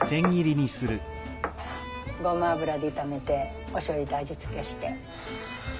ごま油で炒めておしょうゆで味付けして。